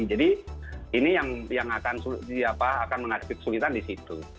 jadi ini yang akan menghadapi kesulitan di situ